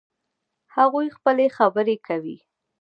هغوی خپلې خبرې کوي